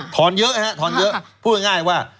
ทอนเยอะพูดง่ายว่า